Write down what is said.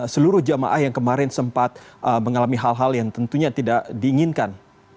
seluruh jamaah yang kemarin sempat mengalami hal hal yang tentunya tidak diinginkan